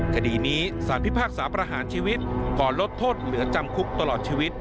คดีนี้สารพิพากษาประหารชีวิตก่อนลดโทษเหลือจำคุกตลอดชีวิต